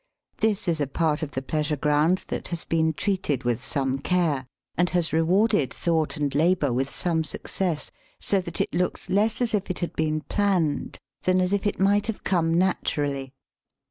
This is a part of the pleasure ground that has been treated with some care, and has rewarded thought and labour with some success, so that it looks less as if it had been planned than as if it might have come naturally.